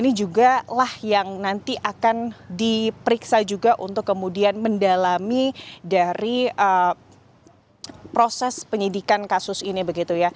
ini juga lah yang nanti akan diperiksa juga untuk kemudian mendalami dari proses penyidikan kasus ini begitu ya